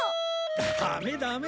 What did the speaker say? ダメダメ。